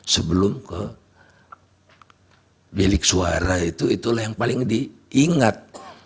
sebelum ke bilik suara itu itulah yang paling diingat